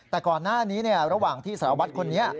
แต่ก่อนหน้านี้ระหว่างที่สารวัตรคนนี้